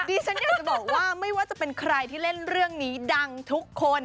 ดิฉันอยากจะบอกว่าไม่ว่าจะเป็นใครที่เล่นเรื่องนี้ดังทุกคน